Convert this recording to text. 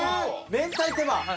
めんたい手羽。